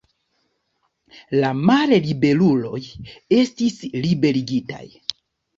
La malliberuloj estis liberigitaj.